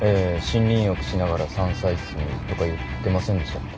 森林浴しながら山菜摘みとか言ってませんでしたっけ？